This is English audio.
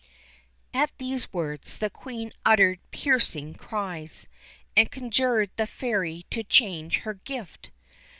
At these words the Queen uttered piercing cries, and conjured the Fairy to change her gift.